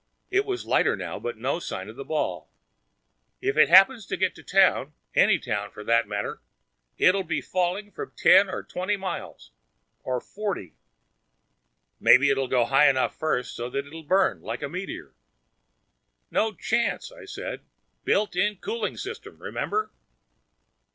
It was lighter now, but no sign of the ball. "If it happens to get to town any town, for that matter it'll be falling from about ten or twenty miles. Or forty." "Maybe it'll go high enough first so that it'll burn. Like a meteor." "No chance," I said. "Built in cooling system, remember?"